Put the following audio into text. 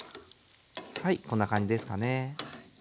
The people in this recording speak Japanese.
はいこんな感じですかね。